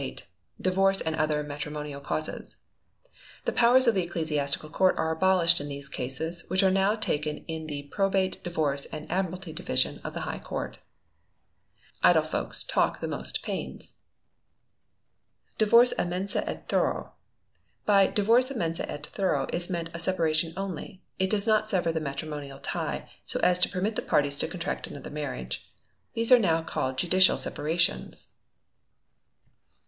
Divorce and other Matrimonial Causes. The powers of the Ecclesiastical Court are abolished in these cases, which are now taken in the Probate, Divorce, and Admiralty Division of the High Court. [IDLE FOLKS TAKE THE MOST PAINS.] 1569. Divorce à mensâ et thoro. By Divorce à mensâ et thoro is meant a separation only; it does not sever the matrimonial tie, so as to permit the parties to contract another marriage. These are now called _judicial separations.